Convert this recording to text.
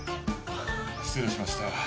失礼しました。